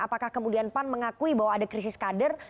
apakah kemudian pan mengakui bahwa ada krisis kader